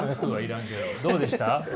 どうでした？